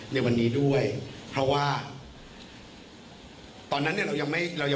ในวันนี้ด้วยเพราะว่าตอนนั้นเนี่ยเรายังไม่เรายัง